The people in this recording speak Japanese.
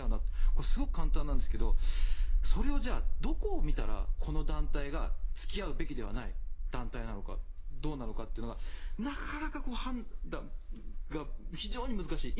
これはすごく簡単なんですがそれをどこを見たらこの団体が付き合うべきではない団体なのかどうなのかというのがなかなか判断が非常に難しい。